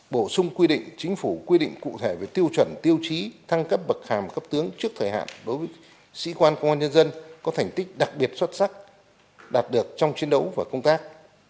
bổ sung quy định chính phủ quy định cụ thể về tiêu chuẩn tiêu chí thăng cấp bậc hàm cấp tướng trước thời hạn đối với sĩ quan công an nhân dân có thành tích đặc biệt xuất sắc đạt được trong chiến đấu và công tác